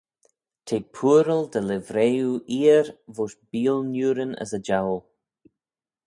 T'eh pooaral dy livrey oo eer voish beeal Niurin as y jouyl.